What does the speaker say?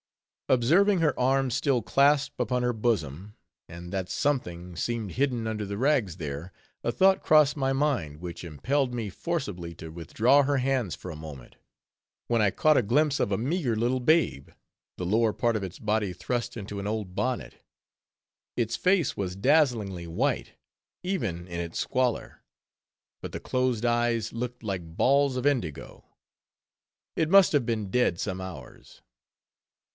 Observing her arms still clasped upon her bosom, and that something seemed hidden under the rags there, a thought crossed my mind, which impelled me forcibly to withdraw her hands for a moment; when I caught a glimpse of a meager little babe—the lower part of its body thrust into an old bonnet. Its face was dazzlingly white, even in its squalor; but the closed eyes looked like balls of indigo. It must have been dead some hours.